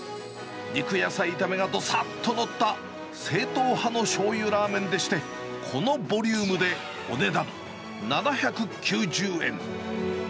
肉野菜炒めがどさっと載った正統派のしょうゆラーメンでして、このボリュームでお値段、７９０円。